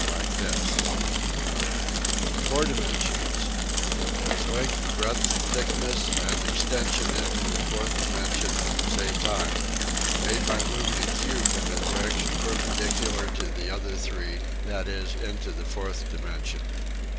Like this Four dimensions: ^ Has length, breadth, thickness and extension into a fourth dimension, say time . Made by moving a cube in a direction perpendicular to the other three (that is, into the ofurth dimension).